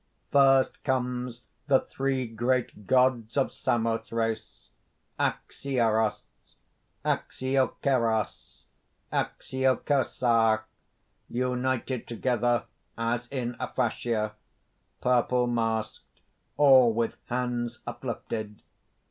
_ First comes the three great gods of Samothrace, AXIEROS, AXIOKEROS, AXIOKERSA, _united together as in a fascia, purple masked, all with hands uplifted.